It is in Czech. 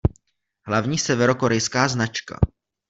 Hlavní severokorejská značka.